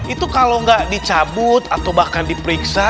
itu kalau nggak dicabut atau bahkan diperiksa